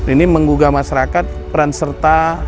ini menggugah masyarakat peran serta